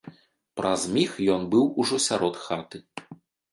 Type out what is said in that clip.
Праз міг ён быў ужо сярод хаты.